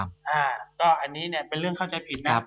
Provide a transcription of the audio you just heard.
อันนี้เป็นเรื่องเข้าใจผิดบ้าง